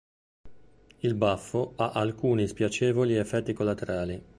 Il baffo ha alcuni spiacevoli effetti collaterali.